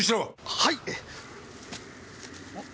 はい！